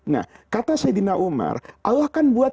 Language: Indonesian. nah kata saidina umar allah kan buat